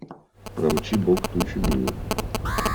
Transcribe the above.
– Промчи бог тучу мимо.